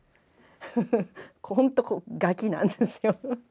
ほんとこうガキなんですよ。